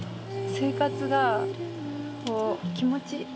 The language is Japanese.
生活が気持ちいい。